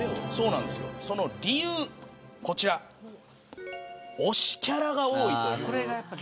その理由はこちら推しキャラが多い。